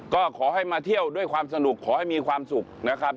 ก็ขอให้มาเที่ยวด้วยความสนุกขอให้มีความสุขนะครับ